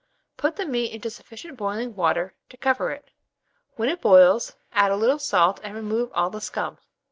Put the meat into sufficient boiling water to cover it; when it boils, add a little salt and remove all the scum.